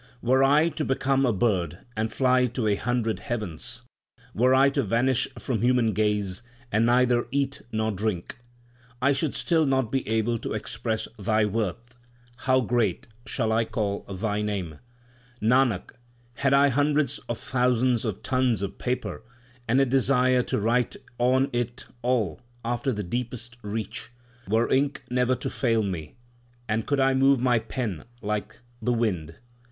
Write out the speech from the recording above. Were I to become a bird and fly to a hundred heavens ; Were I to vanish from human gaze and neither eat nor drink, I should still not be able to express Thy worth ; how great shall I call Thy name ? Nanak, had I hundreds of thousands of tons of paper and a desire to write on it all after the deepest research ; Were ink never to fail me, and could I move my pen like the wind, [ That is, were I to lead even the most ascetic life possible.